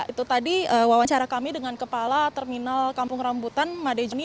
itu tadi wawancara kami dengan kepala terminal kampung rambutan madejeni